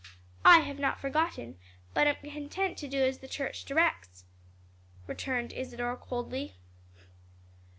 '" "I have not forgotten, but am content to do as the church directs," returned Isadore, coldly.